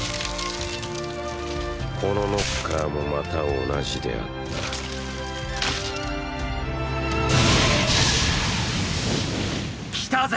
このノッカーもまた同じであった来たぜ！！